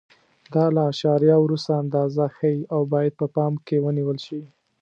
دا له اعشاریه وروسته اندازه ښیي او باید په پام کې ونیول شي.